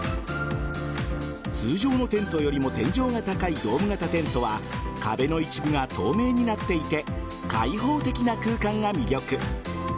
通常のテントよりも天井が高いドーム型テントは壁の一部が透明になっていて開放的な空間が魅力。